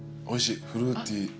おいしいフルーティー。